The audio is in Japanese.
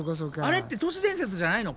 あれって都市伝説じゃないの？